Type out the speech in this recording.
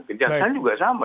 kejaksaan juga sama